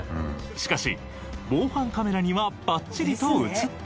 しかし防犯カメラにはバッチリと映っていました。